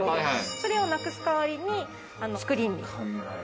それをなくす代わりにスクリーンに。